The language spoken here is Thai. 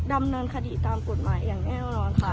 ดำเนินคดีตามกฎหมายอย่างแน่นอนค่ะ